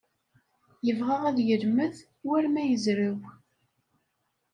Yebɣa ad yelmed war ma yezrew.